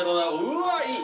うわいい！